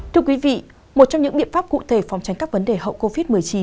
thưa quý vị một trong những biện pháp cụ thể phòng tránh các vấn đề hậu covid một mươi chín